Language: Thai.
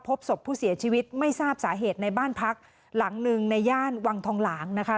พบศพผู้เสียชีวิตไม่ทราบสาเหตุในบ้านพักหลังหนึ่งในย่านวังทองหลางนะคะ